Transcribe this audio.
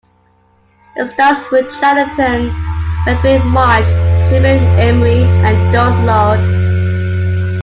It stars Ruth Chatterton, Fredric March, Gilbert Emery and Doris Lloyd.